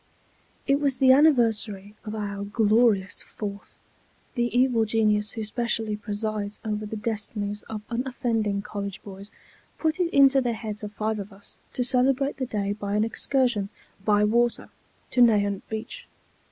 It was the anniversary of our Glorious Fourth. The evil genius who specially presides over the destinies of unoffending college boys put it into the heads of five of us to celebrate the day by an excursion by water to Nahant Beach.